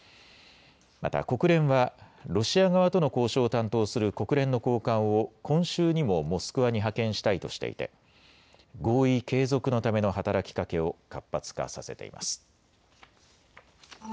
また国連はロシア側との交渉を担当する国連の高官を今週にもモスクワに派遣したいとしていて合意継続のための働きかけを活発化させています。